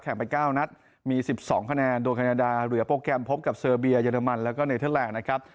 แข่งไปเก้านัดมีสิบสองคะแนนโดยแคนาดาเหลือโปรแกรมพบกับเซอร์เบียเยอรมันแล้วก็เนเทอร์แหลกนะครับ